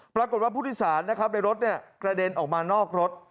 ปรากฏว่าผู้ทิศาลนะครับในรถเนี้ยกระเด็นออกมานอกรถ